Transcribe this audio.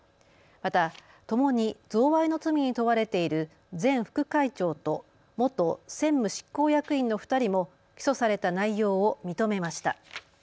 またともに贈賄の罪に問われている前副会長と元専務執行役員の２人も起訴された内容を認めました。